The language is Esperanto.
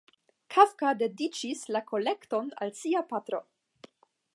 Kafka dediĉis la kolekton al sia patro.